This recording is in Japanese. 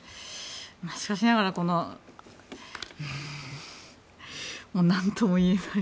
しかしながらなんとも言えない